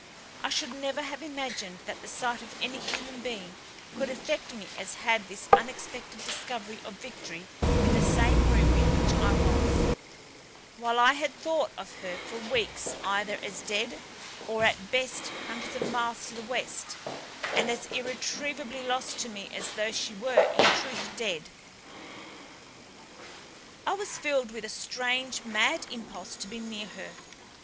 I should never have imagined that the sight of any human being could affect me as had this unexpected discovery of Victory in the same room in which I was, while I had thought of her for weeks either as dead, or at best hundreds of miles to the west, and as irretrievably lost to me as though she were, in truth, dead. I was filled with a strange, mad impulse to be near her.